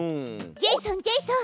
ジェイソンジェイソン！